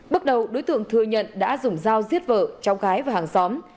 bước đầu đối tượng thừa nhận đã dùng dao giết vợ cháu gái và hàng xóm